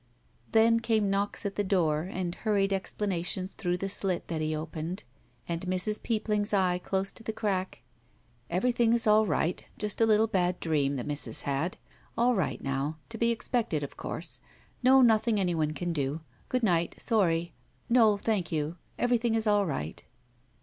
Then came knocks at the door, and hurried explanations through the slit that he opened, and Mrs. Peopping's eye close to the crack.^ "Everything is all right Just a little bad dream the missus had All right now. ... To be expected, of cotirse. ... No, nothing anyone can do. ... Good night. Sorry. ... No, thank you. Everjrthing is all right."